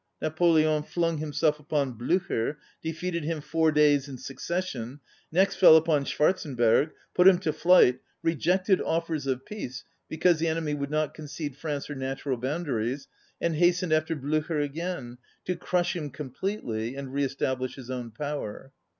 Napoleon flmig himself upon Bl├╝cher, defeated him four days in succession, next fell upon Schwar zenberg, put him to flight, rejected offers of peace because the enemy would not concede France her natu ral boundaries, and hastened after Bl├╝cher again, to crush him com pletely and re establish his own power.